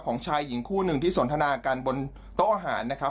ชายหญิงคู่หนึ่งที่สนทนากันบนโต๊ะอาหารนะครับ